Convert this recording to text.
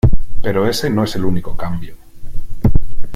Pero ese no es el único cambio.